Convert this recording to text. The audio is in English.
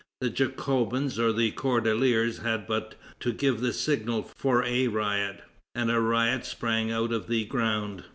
The Jacobins or the Cordeliers had but to give the signal for a riot, and a riot sprang out of the ground.